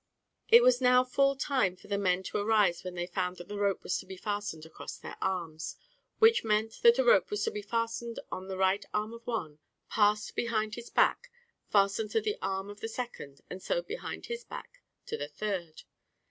It was now full time for the men to arise when they found that the rope was to be fastened across their arms; which meant that a rope was to be fastened on the right arm of one, passed behind his back, fastened to the arm of the second, and so behind his back to the third.